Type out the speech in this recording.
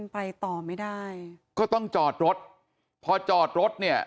ไปต่อไม่ได้ก็ต้องจอดรถพอจอดรถเนี่ย